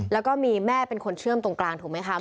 แล้วก็มีแม่เป็นคนเชื่อมตรงกลางถูกไหมคะ